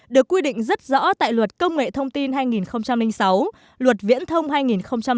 được quy định rất rõ tại luật công nghệ thông tin hai nghìn sáu luật viễn thông hai nghìn chín